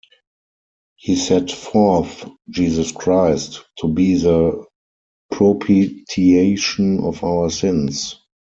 He set forth Jesus Christ... to be the propitiation of our sins.